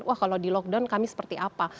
wah kalau di lockdown kami seperti apa